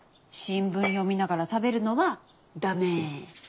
新聞読みながら食べるのはだめ。